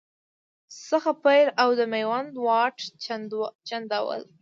څخه پیل او د میوند واټ، چنداول